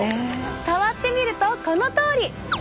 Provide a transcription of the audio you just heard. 触ってみるとこのとおり！